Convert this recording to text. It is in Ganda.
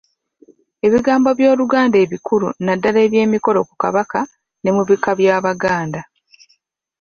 Ebigambo by'Oluganda ebikulu naddala eby'emikolo ku Kabaka ne mu bika by'Abaganda.